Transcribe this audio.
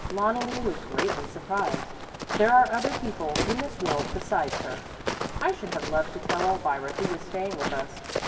Loneli was greatly surprised. "There are other people in this world besides her. I should have loved to tell Elvira who was staying with us.